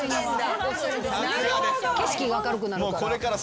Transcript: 景色が明るくなるから。